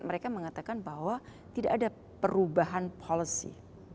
mereka mengatakan bahwa tidak ada perubahan policy